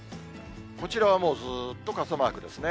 こちらはもうずーっと傘マークですね。